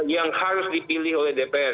yang harus dipilih oleh dpr